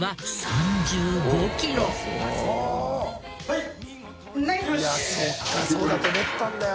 いそうかそうだと思ったんだよ。